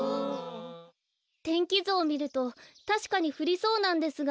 天気ずをみるとたしかにふりそうなんですが。